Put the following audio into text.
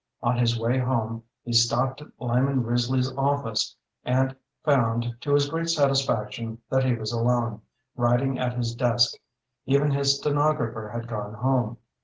On his way home he stopped at Lyman Risley's office, and found, to his great satisfaction, that he was alone, writing at his desk. Even his stenographer had gone home.